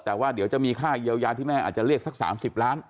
แต่ว่าเดี๋ยวจะมีค่าเยียวยาที่แม่อาจจะเรียกสัก๓๐ล้าน